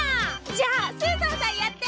じゃあスーザンさんやって！